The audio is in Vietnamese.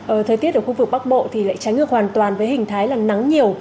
ở thời tiết ở khu vực bắc bộ thì lại tránh được hoàn toàn với hình thái là nắng nhiều